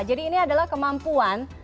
jadi ini adalah kemampuan